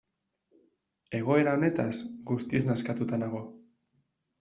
Egoera honetaz guztiz nazkatuta nago.